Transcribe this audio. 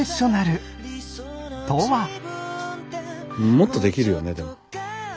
もっとできるよねでも。